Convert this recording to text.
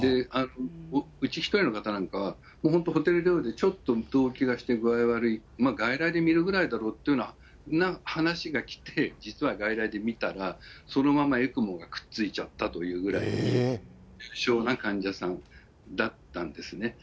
うち１人の方なんかは、もう本当、ホテル療養で、ちょっとどうきがして具合悪い、外来で診るぐらいだろうっていうような話が来て、実は外来で診たら、そのままＥＣＭＯがくっついちゃったというぐらい、重症な患者さんだったんですね。